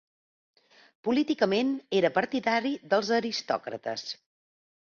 Políticament era partidari dels aristòcrates.